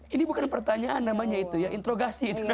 ini bukan pertanyaan namanya itu ya itu introgasi namanya